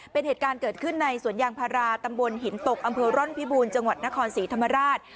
เป็นเหตุการณ์เกิดขึ้นในสวนยางพาราตำบลหินตกอำเภอร่อนพิบูรณ์จังหวัดนครศรีธรรมราช